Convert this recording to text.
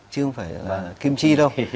chứ không phải là kim chi đâu